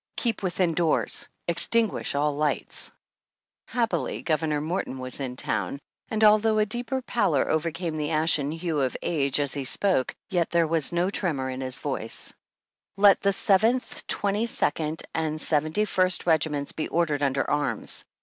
Keep within doors. Extinguish all lights." 3 4 Happily, Governor Morton was in town, and al though a deeper palor overcame the ashen hue of age as he spoke, yet there was no tremor in his voice :" Let the Seventh, Twenty second and Seventy first regiments be ordered under arms."